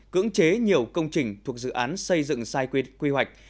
cưỡng chế nhiều công trình thuộc dự án xây dựng sai quy hoạch